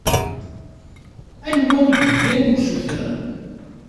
Anwa i yeheggan i usuter